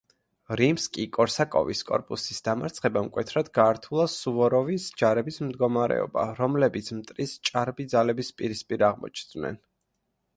რიმსკი-კორსაკოვის კორპუსის დამარცხებამ მკვეთრად გაართულა სუვოროვის ჯარების მდგომარეობა, რომლებიც მტრის ჭარბი ძალების პირისპირ აღმოჩნდნენ.